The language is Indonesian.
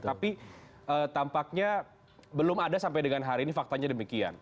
tapi tampaknya belum ada sampai dengan hari ini faktanya demikian